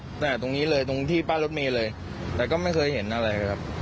ตั้งแต่ตรงนี้เลยตรงที่ป้ายรถเมย์เลยแต่ก็ไม่เคยเห็นอะไรเลยครับ